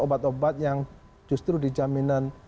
obat obat yang justru di jaminan